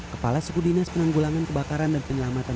kepala suku dinas penanggulangan kebakaran dan penyelamatan